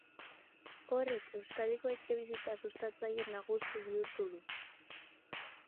Horrek Euskadiko etxebizitza-sustatzaile nagusi bihurtu du.